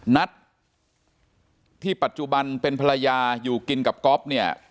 นัทที่ปัจจุบันเป็นภรรยาอยู่กินกับก๊อฟเนี่ย